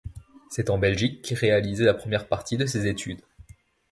C'est en Belgique qu'il réalise la première partie de ses études.